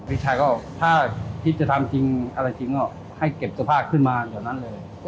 พี่ชายก็ถ้าคิดจะทำจริงอะไรจริงก็ให้เก็บสภาพขึ้นมาเดี๋ยวนั้นเลย